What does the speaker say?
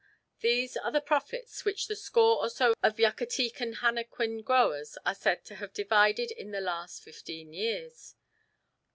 These are the profits which the score or so of Yucatecan henequen growers are said to have divided in the last fifteen years.